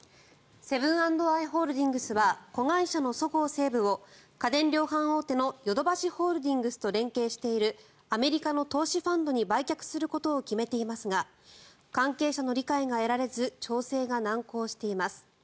セブン＆アイ・ホールディングスは子会社のそごう・西武を家電量販大手のヨドバシホールディングスと連携しているアメリカの投資ファンドに売却することを決めていますが関係者の理解が得られず調整が難航しています。